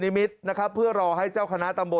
นอนวัดนี่หลวงพ่อ